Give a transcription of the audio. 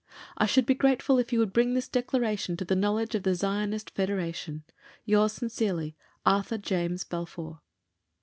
I should be grateful if you would bring this Declaration to the knowledge of the Zionist Federation. Yours sincerely, (Signed) ARTHUR JAMES BALFOUR.